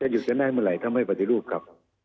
จะหยุดจะได้เมื่อไหร่ทำให้ปฏิรูปครับ